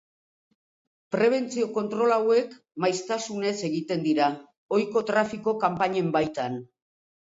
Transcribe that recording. Prebentzio kontrol hauek maiztasunez egiten dira, ohiko trafiko kanpainen baitan.